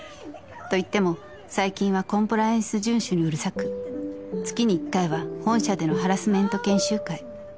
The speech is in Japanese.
［といっても最近はコンプライアンス順守にうるさく月に１回は本社でのハラスメント研修会］